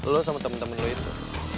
lo sama temen temen lo itu